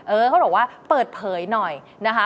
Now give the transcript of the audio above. เขาบอกว่าเปิดเผยหน่อยนะคะ